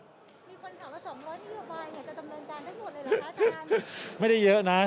มีคนถามว่า๒๐๐นิยวบายอยากจะจำนวนจานทั้งหมดเลยหรือครับอาจารย์